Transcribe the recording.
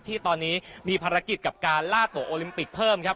ที่ตอนนี้มีภารกิจกับการล่าตัวโอลิมปิกเพิ่มครับ